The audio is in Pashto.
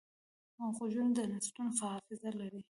غوږونه د نصیحتونو حافظه لري